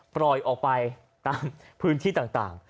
ปล่อยออกไปตามพื้นที่ต่าง